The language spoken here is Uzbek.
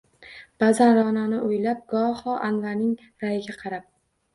Ba’zan Ra’noni o’ylab, goho Anvarning ra’yiga qarab